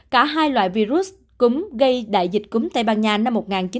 cả hai loại virus cúm gây đại dịch cúm tây ban nha năm một nghìn chín trăm một mươi tám